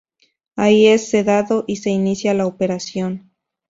Ahí es sedado y se inicia la operación.